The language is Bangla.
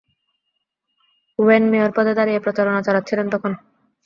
ওয়েন মেয়র পদে দাঁড়িয়ে প্রচারণা চালাচ্ছিলেন তখন।